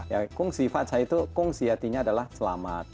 ya kongsi facai itu kongsi hatinya adalah selamat